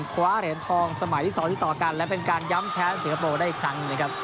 คว้าเหรียญทองสมัยที่๒ที่ต่อกันและเป็นการย้ำแพ้สิงคโปร์ได้อีกครั้งนะครับ